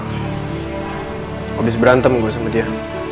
habis berantem gue sama dia